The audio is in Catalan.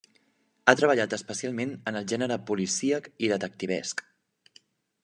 Ha treballat especialment en el gènere policíac i detectivesc.